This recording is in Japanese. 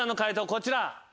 こちら。